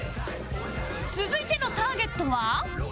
続いてのターゲットは